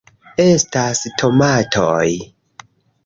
... estas tomatoj